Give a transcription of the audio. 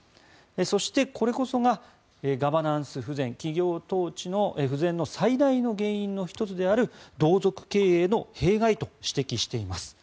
そして、これこそがガバナンス不全企業統治の不全の最大の原因の１つである同族経営の弊害と指摘しています。